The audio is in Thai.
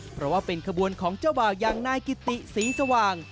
เพราะว่าเป็นขบวนของเจ้าบ่าวอย่างนายกิติศรีสว่าง